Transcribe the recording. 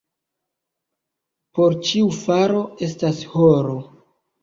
Por ĉiu faro estas horo.